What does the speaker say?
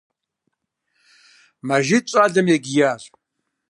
Мэжид щӀалэм егиящ.